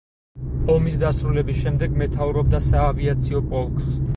ომის დასრულების შემდეგ მეთაურობდა საავიაციო პოლკს.